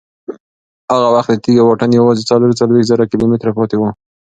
هغه وخت د تېږې واټن یوازې څلور څلوېښت زره کیلومتره پاتې و.